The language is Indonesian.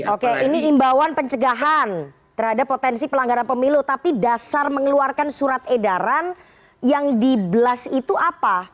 oke ini imbauan pencegahan terhadap potensi pelanggaran pemilu tapi dasar mengeluarkan surat edaran yang di blast itu apa